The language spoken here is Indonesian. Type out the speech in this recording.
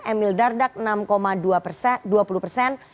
emil dardak enam dua puluh persen